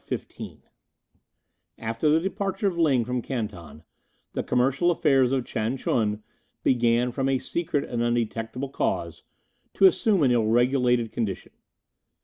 CHAPTER XV After the departure of Ling from Canton, the commercial affairs of Chang ch'un began, from a secret and undetectable cause, to assume an ill regulated condition.